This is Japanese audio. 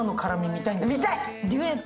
見たい！